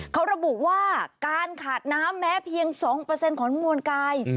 เขาระบุว่าการขาดน้ำแม้เพียง๒ของมวลกาย